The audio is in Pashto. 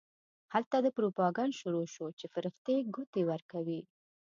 هلته دا پروپاګند شروع شو چې فرښتې ګوتې ورکوي.